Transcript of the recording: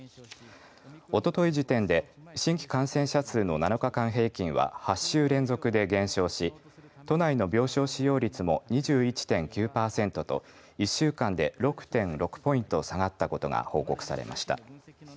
おととい時点で新規感染者数の７日間平均は８週連続で減少し都内の病床使用率も２１．９パーセントと１週間で６．６ポイント下がったことが報告されました。